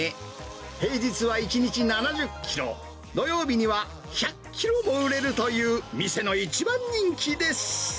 平日は１日７０キロ、土曜日には１００キロも売れるという、店の一番人気です。